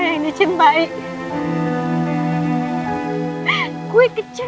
saya sudah subtitles nya